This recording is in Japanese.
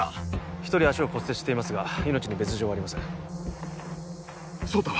１人足を骨折していますが命に別状はありません壮太は？